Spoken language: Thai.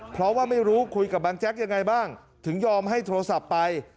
เพราะว่าไม่รู้คุยกับบางแจ๊กยังไงบ้างถึงยอมให้โทรศัพท์ไป